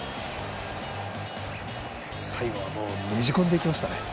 最後は、ねじ込んでいきましたね。